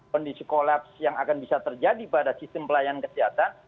kondisi kolaps yang akan bisa terjadi pada sistem pelayanan kesehatan